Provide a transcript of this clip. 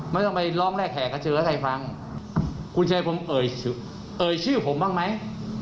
ไม่ต้องไปร้องแรกแขกเชื้อใครฟังคุณชายผมเอ่ยเอ่ยชื่อผมบ้างไหม